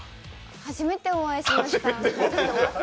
初めてお会いしました。